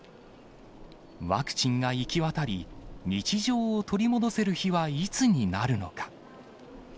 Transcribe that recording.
ワクチンが行き渡り、日常を取り戻せる日はいつになるのか。